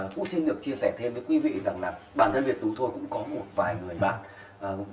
cũng xin được chia sẻ thêm với quý vị rằng là bản thân việt chúng tôi cũng có một vài người bạn